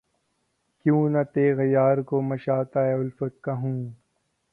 کیوں نہ تیغ یار کو مشاطۂ الفت کہوں